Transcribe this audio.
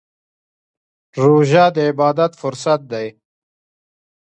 روژه د عبادت فرصت دی.